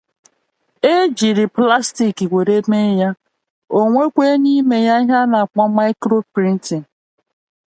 They are generally made of plastic and contain microprinting.